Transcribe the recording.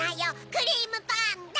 クリームパンダ！